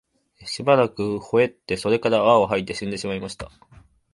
しばらく吠って、それから泡を吐いて死んでしまいました